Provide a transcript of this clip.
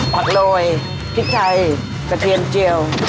โรยพริกไทยกระเทียมเจียว